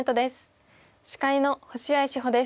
司会の星合志保です。